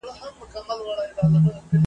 ړوند یو وار امساء ورکوي `